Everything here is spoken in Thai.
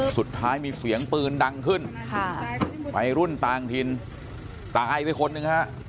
สุดท้ายมีเสียงปืนดังขึ้นค่ะวัยรุ่นต่างถิ่นตายไปคนหนึ่งฮะ